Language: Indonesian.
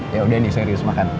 ya udah nih serius makan